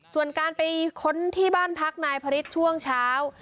ส่วนการไปค้นที่บ้านพักนายพระฤทธิ์ช่วงเช้า